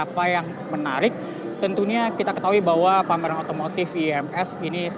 pameran ims dua ribu dua puluh tiga